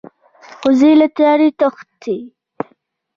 وزې له تیارو تښتي